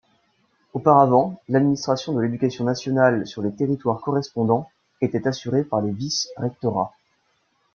Auparavant, l'administration de l'Éducation nationale sur les territoires correspondants était assurée par des vice-rectorats.